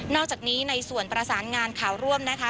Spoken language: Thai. อกจากนี้ในส่วนประสานงานข่าวร่วมนะคะ